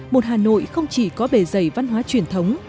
một hà nội không chỉ có bề dày văn hóa truyền thống